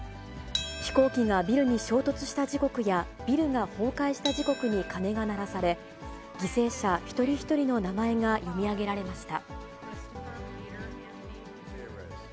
飛行機がビルに衝突した時刻やビルが崩壊した時刻に鐘が鳴らされ、犠牲者一人一人の名前が読み上げられました。